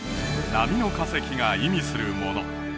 波の化石が意味するもの